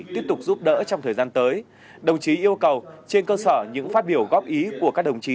tiếp tục giúp đỡ trong thời gian tới đồng chí yêu cầu trên cơ sở những phát biểu góp ý của các đồng chí